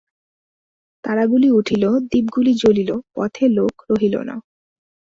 তারাগুলি উঠিল, দীপ গুলি জ্বলিল, পথে লােক রহিল না।